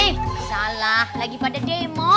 eh salah lagi pada demo